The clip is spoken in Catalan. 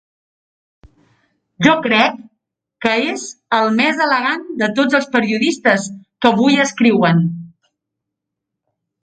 Jo crec que és el més elegant de tots els periodistes que avui escriuen.